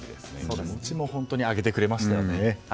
気持ちも本当にあげてくれましたよね。